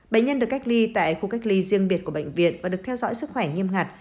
bệnh nhân được cách ly tại khu cách ly riêng biệt của bệnh viện và được theo dõi sức khỏe nghiêm ngặt